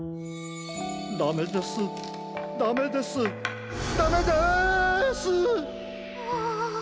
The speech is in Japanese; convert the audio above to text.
ダメですダメですダメです！ああ。